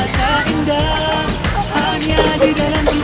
saya kan mau bawa berapa sakit